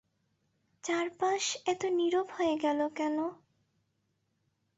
চারপাশ এতো নিরব হয়ে গেল কেন?